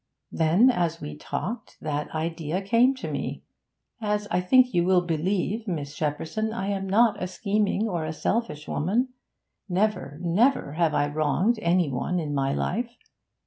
Then, as we talked, that idea came to me. As I think you will believe, Miss Shepperson, I am not a scheming or a selfish woman; never, never have I wronged any one in my life.